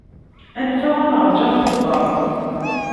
Anef-aɣ ad nerǧu ar Tubeṛ.